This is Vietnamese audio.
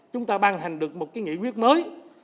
chúng ta ban hành được một cái nghị quyết mới